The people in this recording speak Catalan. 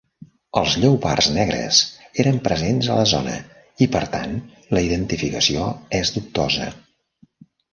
Els lleopards negres eren presents a la zona i per tant la identificació és dubtosa.